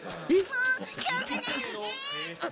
もうしょうがないわね！